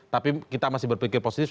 tapi kita masih berpikir positif